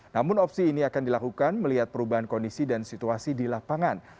namun opsi ini akan dilakukan melihat perubahan kondisi dan situasi di lapangan